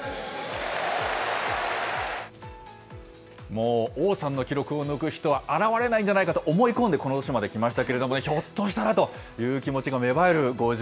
もう王さんの記録を抜く人は現れないんじゃないかと思い込んで、この年まで来ましたけどね、ひょっとしたらという気持ちが芽